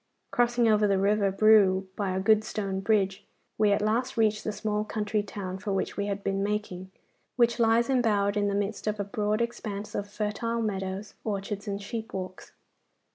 Crossing over the river Brue by a good stone bridge, we at last reached the small country town for which we had been making, which lies embowered in the midst of a broad expanse of fertile meadows, orchards, and sheep walks.